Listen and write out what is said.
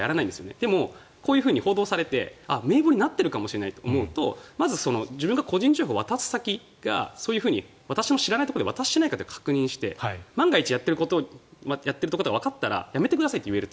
でも、こういうふうに報道されて名簿になっているかもしれないと思うとまず自分が個人情報を渡す先が私が知らないところで渡していないか万が一やっているところとわかったらやめてくださいと言えると。